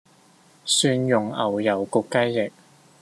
蒜蓉牛油焗雞翼